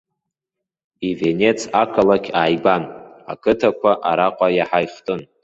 Ивенец ақалақь ааигәан, ақыҭақәа араҟа иаҳа ихтын.